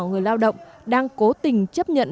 người lao động đang cố tình chấp nhận